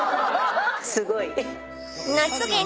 すごい。